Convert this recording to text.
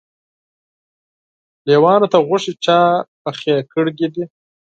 لېوانو ته غوښې چا پخې کړي دي؟